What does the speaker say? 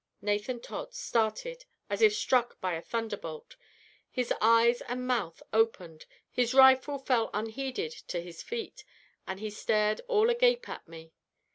Nathan Todd started as if struck by a thunderbolt. His eyes and mouth opened, his rifle fell unheeded to his feet, and he stared all agape at me.